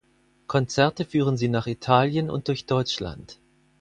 Konzerte führen sie nach Italien und durch Deutschland.